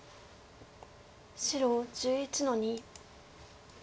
白１１の二。